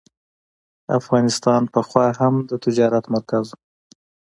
افغانستان پخوا هم د تجارت مرکز و.